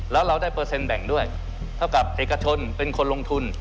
แล้วเราได้เปอร์เซ็นต์แบ่งด้วยเท่ากับเอกชนเป็นคนลงทุน